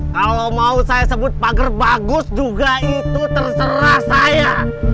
kalau mau saya sebut pager bagus juga itu terserah saya